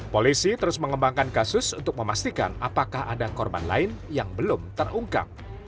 polisi terus mengembangkan kasus untuk memastikan apakah ada korban lain yang belum terungkap